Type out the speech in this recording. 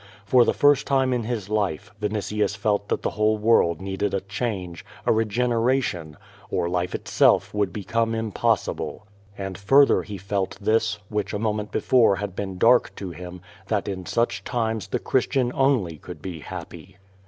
For the first time in his life, Vinitius felt that the whole world needed a change, a regeneration, or life itself would become impossible. And further he felt this, which a moment before had l)een dark to him, that in such times the Christian only could be happy.